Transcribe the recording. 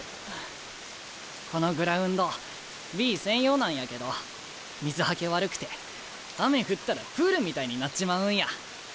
このグラウンドＢ専用なんやけど水はけ悪くて雨降ったらプールみたいになっちまうんや。